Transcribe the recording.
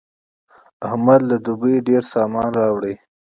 احمد له دوبۍ ډېر سامان راوړ.